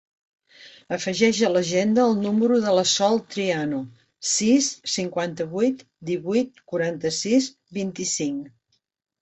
Afegeix a l'agenda el número de la Sol Triano: sis, cinquanta-vuit, divuit, quaranta-sis, vint-i-cinc.